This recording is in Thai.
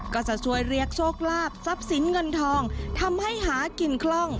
ก็จะช่วยเรียกโชคลาภทรัพย์สินเงินทองทำให้หากินคล่อง